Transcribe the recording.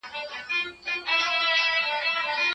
افغانان په ټوله نړۍ کې ادبي غونډې جوړوي.